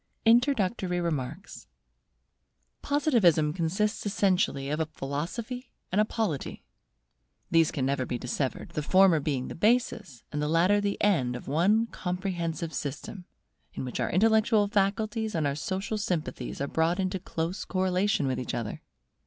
INTRODUCTORY REMARKS Positivism consists essentially of a Philosophy and a Polity. These can never be dissevered; the former being the basis, and the latter the end of one comprehensive system, in which our intellectual faculties and our social sympathies are brought into close correlation with each other.